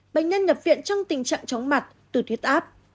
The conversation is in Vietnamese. bệnh nhân nhập viện trong tình trạng chóng mặt từ thuyết áp